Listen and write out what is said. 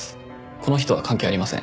この人は関係ありません。